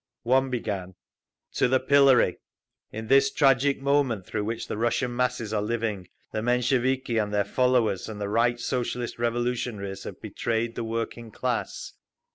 One began: TO THE PILLORY! In this tragic moment through which the Russian masses are living, the Mensheviki and their followers and the Right Socialist Revolutionaries have betrayed the working class.